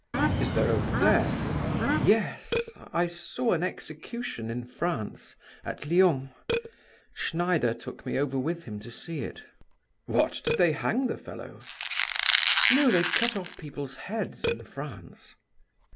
"Is there over there?" "Yes—I saw an execution in France—at Lyons. Schneider took me over with him to see it." "What, did they hang the fellow?" "No, they cut off people's heads in France."